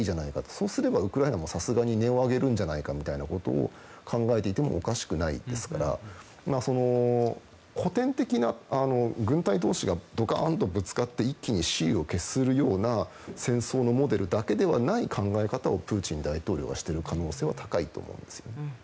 そうすればウクライナもさすがに音を上げるんじゃないかみたいなことを考えていてもおかしくないですから古典的な軍隊同士がドカンとぶつかって一気に雌雄を決するような戦争のモデルだけではない考え方をプーチン大統領はしてる可能性は高いと思います。